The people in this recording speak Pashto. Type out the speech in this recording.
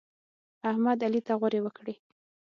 احمد؛ علي ته غورې وکړې.